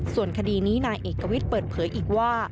ส่วนคดีนี้นายเอกวิทย์เปิดเผยอีกว่า